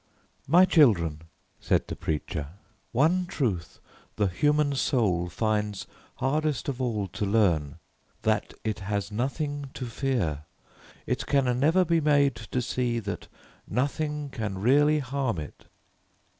"My children," said the preacher, "one truth the human soul finds hardest of all to learn: that it has nothing to fear. It can never be made to see that nothing can really harm it."